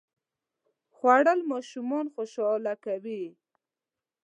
خوړل ماشومان خوشاله کوي